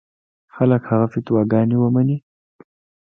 خلک هغه فتواګانې ومني.